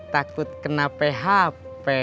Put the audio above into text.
takut kena php